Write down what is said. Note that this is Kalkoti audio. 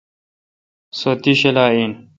سو تی شلا این۔